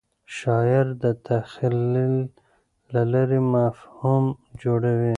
شاعر د تخیل له لارې مفهوم جوړوي.